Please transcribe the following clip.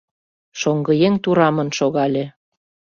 Шоҥгыеҥ турамын шогале.